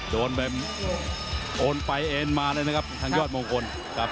โดนไปโดนไปเอ็นมาเลยนะครับทางยอดมงคลครับ